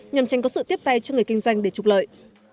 nhằm tránh có sự tiếp tay cho người kinh doanh để trục lợi